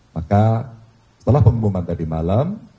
maka setelah pengumuman tadi malam